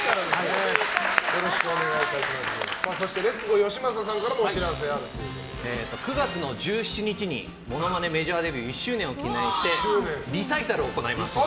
そしてレッツゴーよしまささんからも９月１７日にモノマネメジャーデビュー１周年を記念してリサイタルを行います。